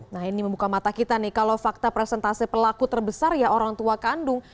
nah ini membuka mata kita nih kalau fakta presentasi pelaku terbesar ya orang tua kandung